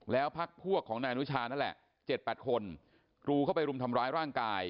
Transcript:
แล้วพักพวกของนายอนุชานั่นแหละ๗๘คนกรูเข้าไปรุมทำร้ายร่างกาย